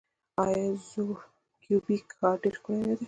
آیا زوړ کیوبیک ښار ډیر ښکلی نه دی؟